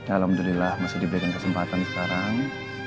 alhamdulillah masih diberikan kesempatan sekarang